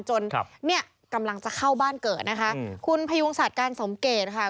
จนกำลังจะเข้าบ้านเกิดนะคะคุณพยวงสัตว์การสมเกตค่ะ